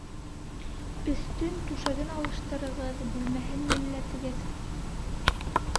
- Өҫтөн, түшәген алыштырығыҙ, бүлмәһен елләтегеҙ.